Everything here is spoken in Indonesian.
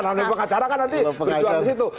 nanti berjuang disitu